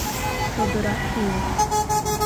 ЧОДЫРА ШӰЕШ